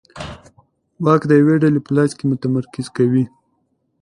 واک د یوې ډلې په لاس کې متمرکز کوي